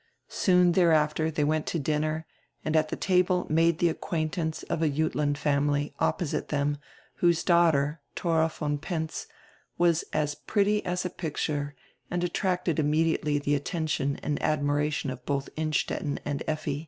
Soon thereafter diey went to dinner and at die tahle made die acquaintance of ajudand family, opposite diem, whose daughter, Thora von Penz, was as pretty as a picture and attracted immediately die atten tion and admiration of both Innstetten and Lffi.